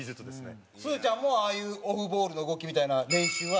蛍原：すずちゃんも、ああいうオフボールの動きみたいな練習は？